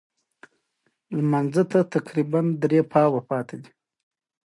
د یوکالیپټوس غوړي د ساه لپاره وکاروئ